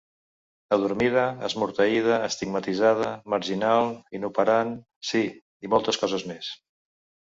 Adormida, esmorteïda, estigmatitzada, marginal, inoperant; sí, i moltes coses més.